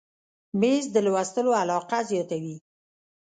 مېز د لوستلو علاقه زیاته وي.